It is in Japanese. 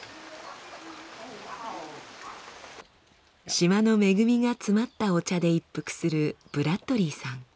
島の恵みが詰まったお茶で一服するブラッドリーさん。